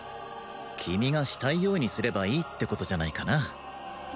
君がしたいようにすればいいってことじゃないかな？